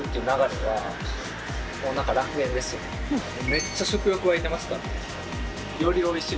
めっちゃ食欲湧いてますからよりおいしく。